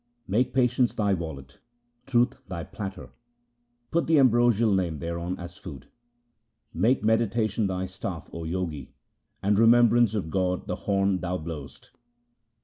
Make patience thy wallet, truth thy platter, put the ambrosial Name thereon as food. Make meditation thy staff, O Jogi, and remembrance of God the horn thou blowest.